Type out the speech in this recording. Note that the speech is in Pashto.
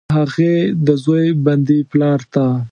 د هغې، د زوی، بندي پلارته،